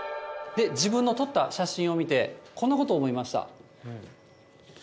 自分の撮った写真を見て、こんなことを思いました。